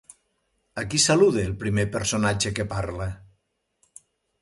A qui saluda el primer personatge que parla?